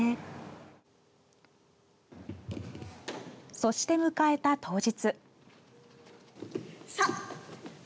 そして迎えた当日。